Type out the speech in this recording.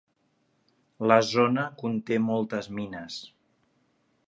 La zona conté moltes mines.